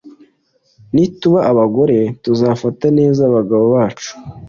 nituba abagore tuzafata neza abagabo bacu